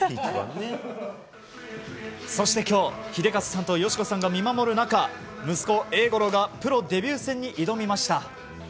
そして今日英和さんと佳子さんが見守る中息子・英五郎がプロデビュー戦に挑みました。